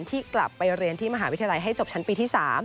ที่กลับไปเรียนที่มหาวิทยาลัยให้จบชั้นปีที่๓